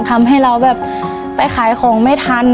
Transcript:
ทำให้เราแบบไปขายของไม่ทัน